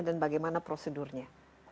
dan bagaimana prosedurnya